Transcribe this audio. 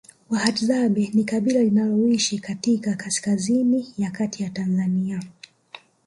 Wahadzabe ni kabila linaloishi katika kaskazini ya kati Tanzania